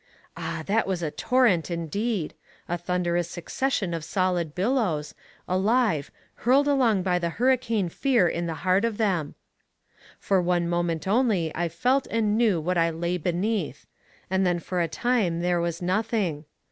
Ah! that was a torrent indeed! a thunderous succession of solid billows, alive, hurled along by the hurricane fear in the heart of them! For one moment only I felt and knew what I lay beneath, and then for a time there was nothing.